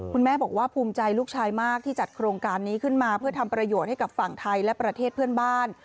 คุณแม่บอกว่าภูมิใจลูกชายมากที่จัดโครงการนี้ขึ้นมาเพื่อทำประโยชน์ให้กับฝั่งไทยและประเทศเพื่อนบ้าน